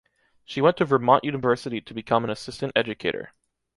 She went to Vermont University to become an assistant educator.